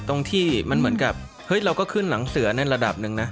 ตรงที่มันเหมือนกับเฮ้ยเราก็ขึ้นหลังเสือในระดับหนึ่งนะ